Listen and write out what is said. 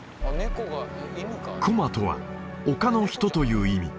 クォマとは「丘の人」という意味